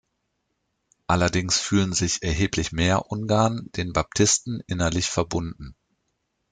Allerdings fühlen sich erheblich mehr Ungarn den Baptisten innerlich verbunden.